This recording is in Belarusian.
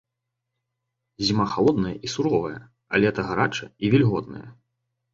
Зіма халодная і суровая, а лета гарачае і вільготнае.